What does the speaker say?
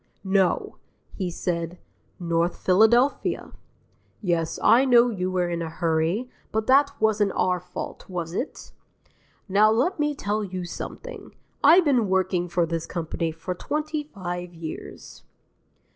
No; he said 'North Philadelphia.' Yes, I know you were in a hurry, but that wasn't our fault, was it? Now, let me tell you something: I've been working for this company for twenty five years...."